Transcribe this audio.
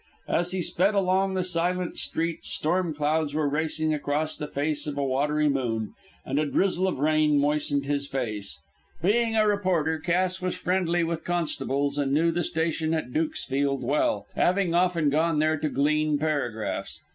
As he sped along the silent streets storm clouds were racing across the face of a watery moon, and a drizzle of rain moistened his face. Being a reporter, Cass was friendly with constables, and knew the station at Dukesfield well, having often gone there to glean paragraphs.